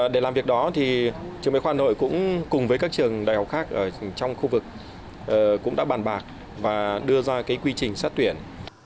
để làm việc đó thì trường bách khoa hội cũng cùng với các trường đại học khác ở trong khu vực cũng đã bàn bạc và đưa ra cái quy trình xét tuyển